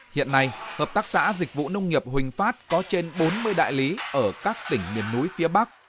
hiện nay hợp tác xã dịch vụ nông nghiệp huỳnh phát có trên bốn mươi đại lý ở các tỉnh miền núi phía bắc